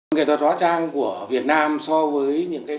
một kẻ tỏa trang của việt nam so với